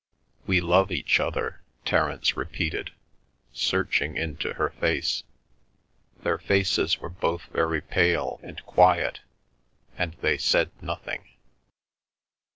"We love each other," Terence repeated, searching into her face. Their faces were both very pale and quiet, and they said nothing.